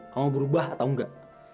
kamu berubah atau enggak